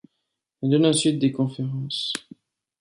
Elle donne ensuite des conférences.